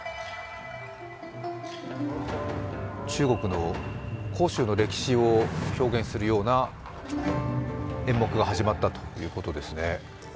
中国の杭州の歴史を表現するような演目が始まったということですね。